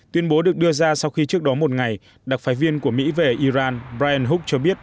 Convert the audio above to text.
tuyên bố được đưa ra sau khi trước đó một ngày đặc phái viên của mỹ về iran brahen huk cho biết